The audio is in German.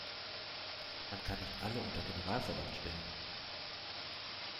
Man kann nicht alle unter Generalverdacht stellen.